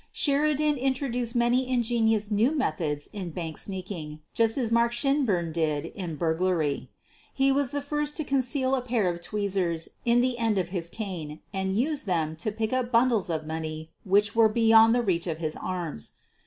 Sheridan introduced many ingenious new methods in "bank sneaking/ ' just as Mark Shinburn did in burglary. He was the first to conceal a pair of tweezers in the end of his cane and use them to pick up bundles of money which were beyond the reach of his arms.